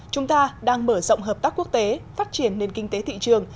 chúng ta đang mở rộng hợp tác quốc tế phát triển nền kinh tế thị trường